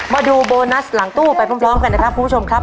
มาดูโบนัสหลังตู้ไปพร้อมกันนะครับคุณผู้ชมครับ